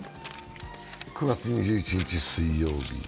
９月２１日水曜日。